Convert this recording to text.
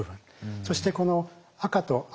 そしてこの赤と青。